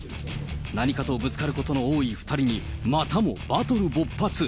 何かとぶつかることの多い２人に、またもバトル勃発。